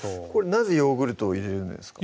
なぜヨーグルトを入れるんですか？